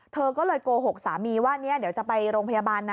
เธอก็เลยโกหกสามีว่าเนี่ยเดี๋ยวจะไปโรงพยาบาลนะ